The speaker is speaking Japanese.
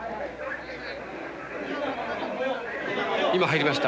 今入りました。